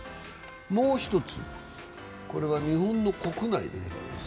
もう一つ、これは日本の国内でございます。